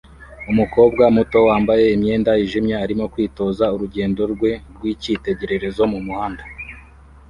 Umukobwa muto wambaye imyenda yijimye arimo kwitoza urugendo rwe rwicyitegererezo mumuhanda